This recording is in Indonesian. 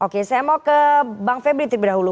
oke saya mau ke bang febri terlebih dahulu